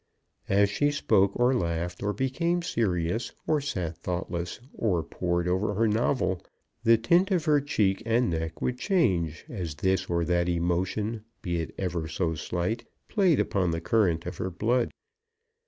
As she spoke or laughed, or became serious or sat thoughtless, or pored over her novel, the tint of her cheek and neck would change as this or that emotion, be it ever so slight, played upon the current of her blood.